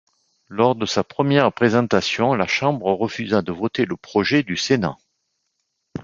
Lors de sa première présentation, la Chambre refusa de voter le projet du sénat.